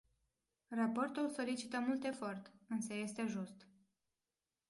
Raportul solicită mult efort, însă este just.